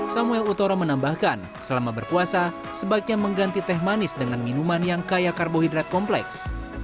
samuel utoro menambahkan selama berpuasa sebaiknya mengganti teh manis dengan minuman yang kaya karbohidrat kompleks